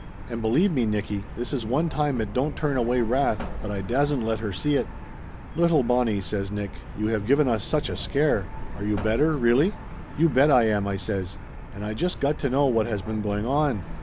And believe me, Nicky, this is one time it don't turn away wrath but I dasn't let her see it." "Little Bonnie!" says Nick. "You have given us such a scare ! Are you better, really ?" "You bet I am!" I says. "And I just got to know what has been going on.